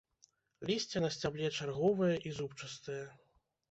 Лісце на сцябле чарговае і зубчастае.